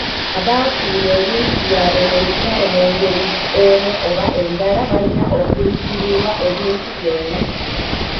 Abaafiirwa ebintu byabwe mu lutalo mu ngeri emu oba endala balina okuliyirirwa ebintu byonna.